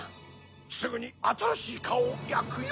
すぐにあたらしいカオをやくよ！